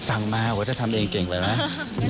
อันนี้เอามาทำเองเปล่าคะก็ว่า